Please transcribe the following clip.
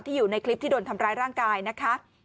อยู่ในคลิปที่โดนทำร้ายร่างกายนะคะ